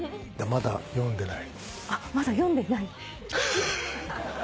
まだ読んでない？